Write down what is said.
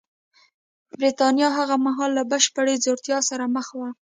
برېټانیا هغه مهال له بشپړې ځوړتیا سره مخ وه